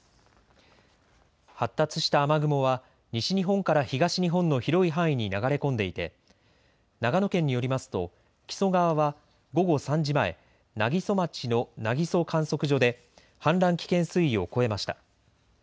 発達した雨雲は西日本から東日本の広い範囲に流れ込んでいて長野県によりますと木曽川は午後３時前、南木曽町の南木曽観測所で氾濫危険水位を超えました。